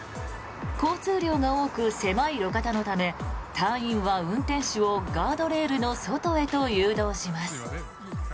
交通量が多く、狭い路肩のため隊員は運転手をガードレールの外へと誘導します。